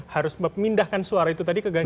harus memindahkan suara itu tadi ke ganjar